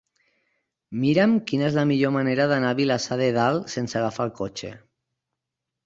Mira'm quina és la millor manera d'anar a Vilassar de Dalt sense agafar el cotxe.